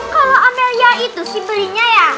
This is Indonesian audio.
kalo amelia itu sih belinya ya